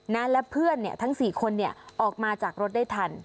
นั้นและเพื่อนเนี้ยทั้งสี่คนเนี้ยออกมาจากรถได้ทัน